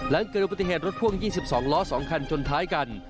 หลังเกิดอุบัติเหตุรถพ่วง๒๒ล้อ๒คันจนท้ายกัน